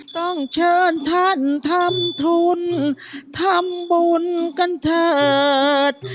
ต้องเชิญท่านทำทุนทำบุญกันเถิด